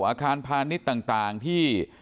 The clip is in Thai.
อาคารพาณิชย์ต่างที่